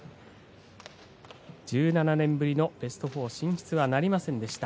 １７年ぶりのベスト４進出はなりませんでした。